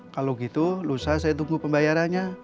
kalau gitu lusa saya tunggu pembayarannya